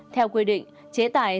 theo quy định chế tài